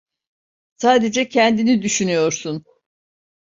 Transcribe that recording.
Sadece kendini düşünüyorsun.